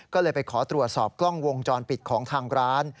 ก็เลยไปขอตรวจสอบกล้องวงจรปิดของทางร้าน